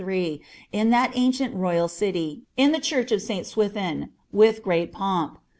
in that ancient royaX city, in the church of St. Swithrn, witt great pomp.'